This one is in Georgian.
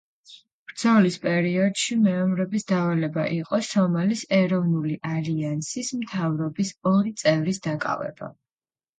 ბრძოლის პერიოდშ მეომრების დავალება იყო „სომალის ეროვნული ალიანსის მთავრობის“ ორი წევრის დაკავება.